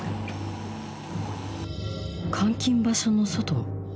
監禁場所の外